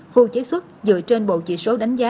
khu chế xuất dựa trên bộ chỉ số đánh giá